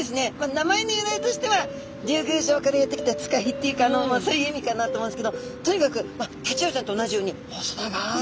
名前の由来としては竜宮城からやって来た使いっていうかそういう意味かなと思うんですけどとにかくタチウオちゃんと同じように細長い姿してます。